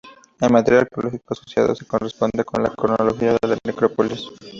El material arqueológico asociado se corresponde con la cronología de la necrópolis.